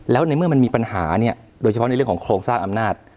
แล้วในเมื่อมันมีปัญหาเนี่ยโดยเฉพาะในเรื่องของโครงสร้างอำนาจ